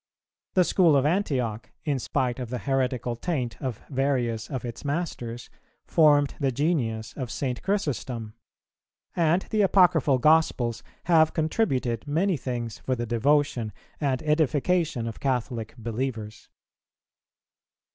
The school of Antioch, in spite of the heretical taint of various of its Masters, formed the genius of St. Chrysostom. And the Apocryphal gospels have contributed many things for the devotion and edification of Catholic believers.